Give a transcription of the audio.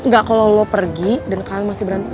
gak kalo lo pergi dan kalian masih berantem